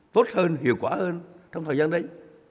tốt hơn hiệu quả hơn trong thời gian đấy